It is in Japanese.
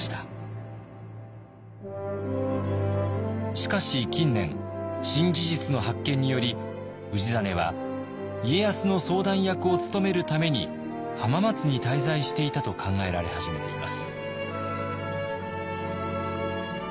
しかし近年新事実の発見により氏真は家康の相談役を務めるために浜松に滞在していたと考えられ始めています。